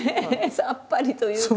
さっぱりというか。